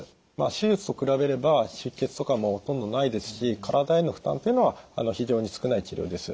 手術と比べれば出血とかもほとんどないですし体への負担というのは非常に少ない治療です。